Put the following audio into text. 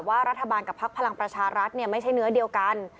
รัฐบาลกับพักพลังประชารัฐไม่ใช่เนื้อเดียวกัน